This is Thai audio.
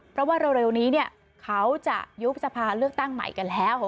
เพราะว่าเร็วนี้เขาจะยุบสภาเลือกตั้งใหม่กันแล้ว